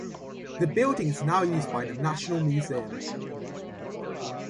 The building is now used by the National Museum.